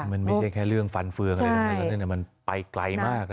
มันไม่ใช่แค่เรื่องฟันเฟืองอะไรทั้งนั้นมันไปไกลมาก